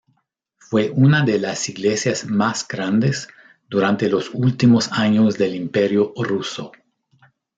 Fue una de las iglesias más grandes durante los últimos años del Imperio Ruso.